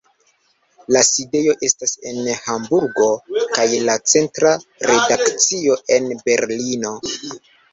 La sidejo estas en Hamburgo, kaj la centra redakcio en Berlino.